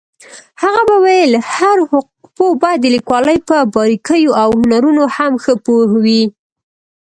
هغە به ویل هر حقوقپوه باید د لیکوالۍ په باريكييواو هنرونو هم ښه پوهوي.